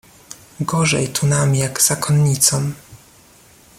"gorzej tu nam jak zakonnicom."